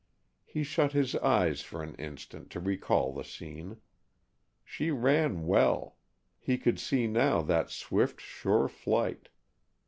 He shut his eyes for an instant to recall the scene. She ran well, he could see now that swift, sure flight.